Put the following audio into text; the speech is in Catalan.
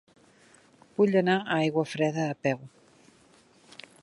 Vull anar a Aiguafreda a peu.